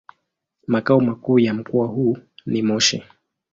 Makao makuu ya mkoa huu ni Moshi.